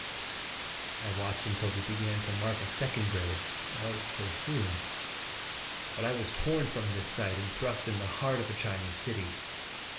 I watched until they began to mark a second grave oh, for whom? But I was torn from this sight, and thrust in the heart of a ^Dramatic in Hip testing. 105 Chinese city.